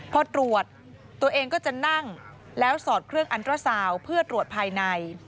พอตรวจตัวเองก็จะนั่งแล้วสอดเครื่องอันตราซาวเพื่อตรวจภายใน